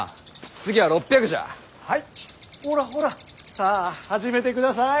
ほらほらさあ始めてください。